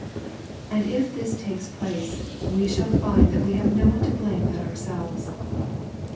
And if this takes place, we shall find that we have no one to blame but ourselves.